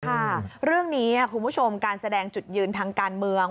ค่ะเรื่องนี้คุณผู้ชมการแสดงจุดยืนทางการเมือง